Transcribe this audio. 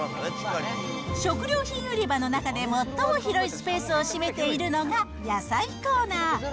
食料品売り場の中で最も広いスペースを占めているのが、野菜コーナー。